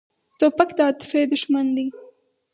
توپک د عاطفې دښمن دی.